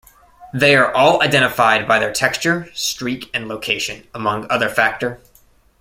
They are all identified by their texture, streak, and location, among other factor.